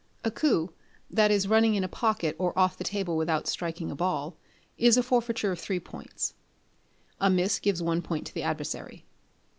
A coup that is running in a pocket, or off the table without striking a ball is a forfeiture of three points, a miss gives one point to the adversary.